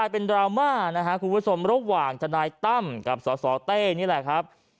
เป็นดราม่านะครับคุณผู้ชมระหว่างทนายตั้มกับสสเต้นี่แหละครับ